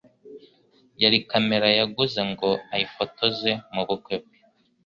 Yari kamera yaguze ngo ayifotoze mu bukwe bwe.